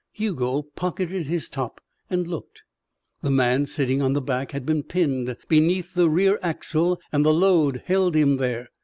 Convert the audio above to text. Hugo pocketed his top and looked. The man sitting on the back had been pinned beneath the rear axle, and the load held him there.